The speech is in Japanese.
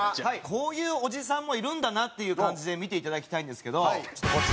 こういうおじさんもいるんだなっていう感じで見ていただきたいんですけどこちらになっております。